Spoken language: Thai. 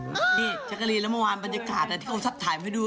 นี่ชะกะลีรำมวานบรรยากาศที่เขาสับถ่ายไปดู